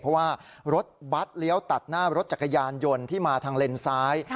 เพราะว่ารถบัตรเลี้ยวตัดหน้ารถจักรยานยนต์ที่มาทางเลนซ้าย